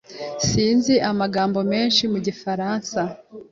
Sinzi amagambo menshi mu gifaransa.